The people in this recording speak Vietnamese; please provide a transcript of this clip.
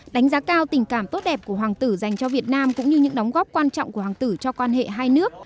đánh giá cao tình cảm tốt đẹp của hoàng tử dành cho việt nam cũng như những đóng góp quan trọng của hoàng tử cho quan hệ hai nước